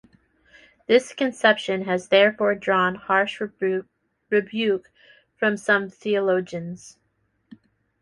This conception has therefore drawn harsh rebuke from some theologians.